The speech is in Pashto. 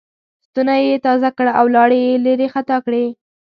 ستونی یې تازه کړ او لاړې یې لېرې خطا کړې.